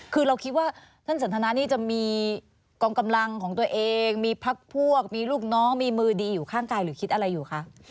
คือเราคิดว่าท่านสันทนานี่จะมีกองกำลังของตัวเองมีพักพวกมีลูกน้องมีมือดีอยู่ข้างกายหรือคิดอะไรอยู่คะ